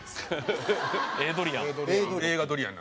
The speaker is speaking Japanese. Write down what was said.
柄ドリアン。